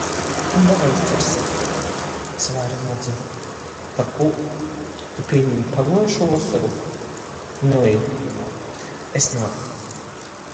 Davai izdzersim! Es vaira nadzeru... Parkū? Tu pīmiņ paguojušū vosoru? Nui! es nā!...